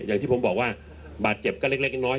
อย่างที่ผมบอกว่าบาดเจ็บก็เล็กน้อย